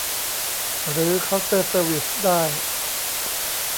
หรือเคาน์เตอร์เซอร์วิสได้